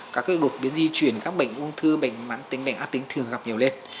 các cái đột biến di truyền các bệnh ung thư bệnh mắn tính bệnh ác tính thường gặp nhiều lên